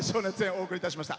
お送りいたしました。